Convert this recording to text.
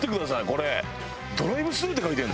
これ。